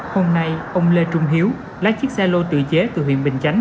hôm nay ông lê trung hiếu lái chiếc xe lô tự chế từ huyện bình chánh